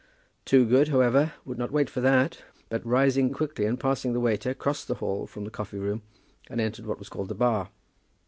Toogood, however, would not wait for that; but rising quickly and passing the waiter, crossed the hall from the coffee room, and entered what was called the bar.